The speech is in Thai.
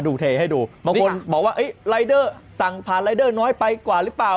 เทให้ดูบางคนบอกว่ารายเดอร์สั่งผ่านรายเดอร์น้อยไปกว่าหรือเปล่า